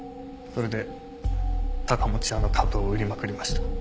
それで高持屋の株を売りまくりました。